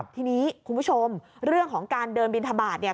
ทีนี้คุณผู้ชมเรื่องของการเดินบินทบาทเนี่ย